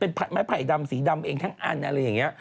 เป็นไม้ไผ่ดำสีดำเองทั้งอันอะไรอย่างนี้